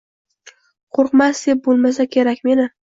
— Qoʻrqmas deb boʻlmasa kerak meni.